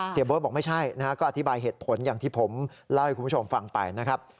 โบ๊ทบอกไม่ใช่นะฮะก็อธิบายเหตุผลอย่างที่ผมเล่าให้คุณผู้ชมฟังไปนะครับ